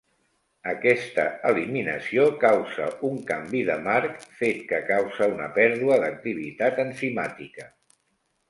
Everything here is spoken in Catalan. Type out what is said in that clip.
Aquesta eliminació causa un canvi de marc, fet que causa una pèrdua d'activitat enzimàtica.